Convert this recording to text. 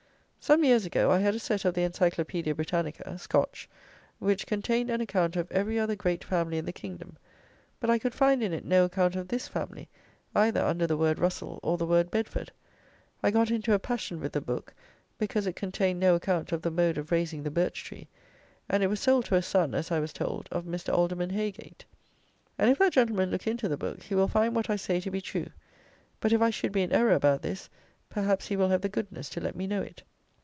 Some years ago I had a set of the Encyclopædia Britannica (Scotch), which contained an account of every other great family in the kingdom; but I could find in it no account of this family, either under the word Russell or the word Bedford. I got into a passion with the book, because it contained no account of the mode of raising the birch tree; and it was sold to a son (as I was told) of Mr. Alderman Heygate; and if that gentleman look into the book, he will find what I say to be true; but if I should be in error about this, perhaps he will have the goodness to let me know it.